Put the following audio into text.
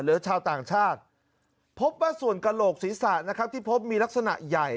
ชาวต่างชาติพบว่าส่วนกระโหลกศีรษะนะครับที่พบมีลักษณะใหญ่